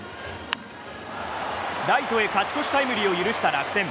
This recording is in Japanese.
ライトへ勝ち越しタイムリーを許した楽天。